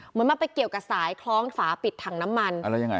เหมือนมันไปเกี่ยวกับสายคล้องฝาปิดถังน้ำมันอ่าแล้วยังไง